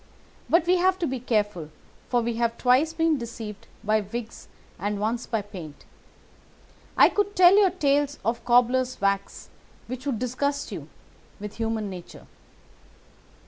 But we have to be careful, for we have twice been deceived by wigs and once by paint. I could tell you tales of cobbler's wax which would disgust you with human nature.